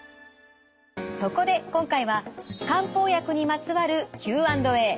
そこで今回は漢方薬にまつわるＱ＆Ａ。